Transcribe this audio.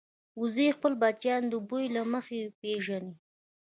وزې خپل بچیان د بوی له مخې پېژني